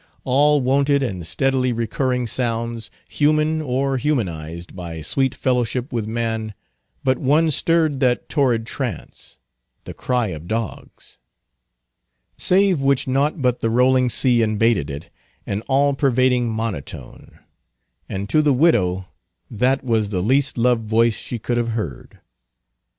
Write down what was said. All wonted and steadily recurring sounds, human, or humanized by sweet fellowship with man, but one stirred that torrid trance—the cry of dogs; save which naught but the rolling sea invaded it, an all pervading monotone; and to the widow that was the least loved voice she could have heard.